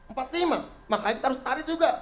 maka kita harus tarik juga